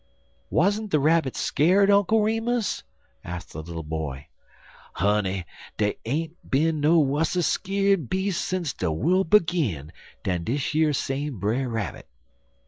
"Wasn't the Rabbit scared, Uncle Remus?" asked the little boy. "Honey, dey ain't been no wusser skeer'd beas' sence de worl' begin dan dish yer same Brer Rabbit.